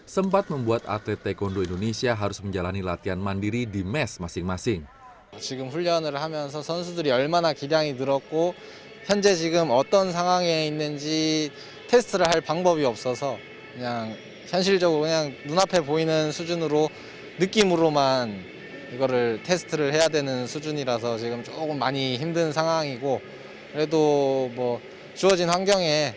sempat membuat atlet taekwondo indonesia harus menjalani latihan mandiri di mes masing masing